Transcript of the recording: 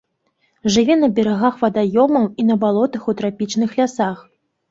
Жыве на берагах вадаёмаў і на балотах у трапічных лясах.